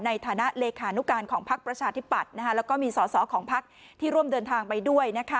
ในฐานะเลขาหนุการของภาคประชาธิบัติและมีสอสอของภาคที่ร่วมเดินทางไปด้วย